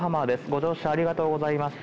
ご乗車ありがとうございます。